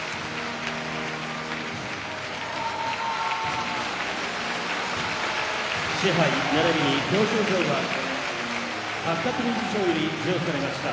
拍手賜盃ならびに表彰状が八角理事長より授与されました。